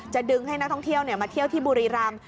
ดึงให้นักท่องเที่ยวมาเที่ยวที่บุรีรำ